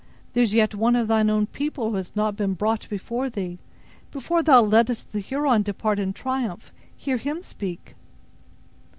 There is yet one of thine own people who has not been brought before thee; before thou lettest the Huron depart in triumph, hear him speak."